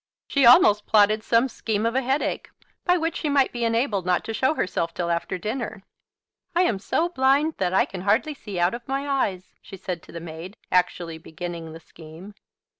She almost plotted some scheme of a headache, by which she might be enabled not to show herself till after dinner. "I am so blind that I can hardly see out of my eyes," she said to the maid, actually beginning the scheme.